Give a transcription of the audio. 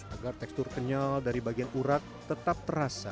agar tekstur kenyal dari bagian urat tetap terasa